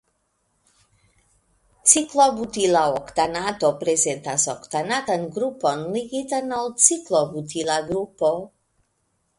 Ciklobutila oktanato prezentas oktanatan grupon ligitan al ciklobutila grupo.